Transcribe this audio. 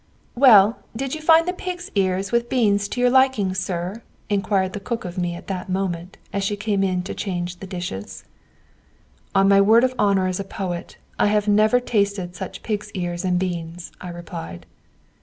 "Well, did you find the pig's ears with beans to your liking, sir?" inquired the cook of me at that moment, as she came in to change the dishes. "On my word of honour as a poet, I have never tasted such pig's ears and beans," I replied.